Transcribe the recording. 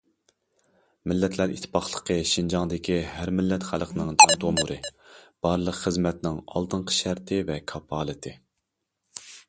مىللەتلەر ئىتتىپاقلىقى شىنجاڭدىكى ھەر مىللەت خەلقىنىڭ جان تومۇرى، بارلىق خىزمەتنىڭ ئالدىنقى شەرتى ۋە كاپالىتى.